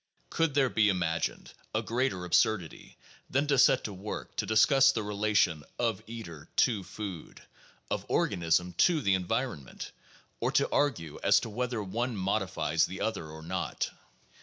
Could there be imagined a greater absurdity than to set to work to discuss the relation of eater to food, of organism to the environment, or to argue as to whether one modifies the other or not